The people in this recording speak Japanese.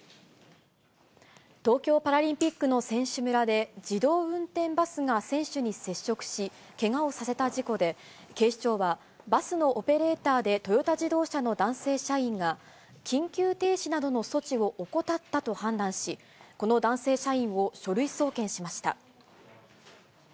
東京パラリンピックの選手村で、自動運転バスが選手に接触し、けがをさせた事故で、警視庁は、バスのオペレーターでトヨタ自動車の男性社員が、緊急停止などの措置を怠ったと判断し、この男性社員を書類送検しました。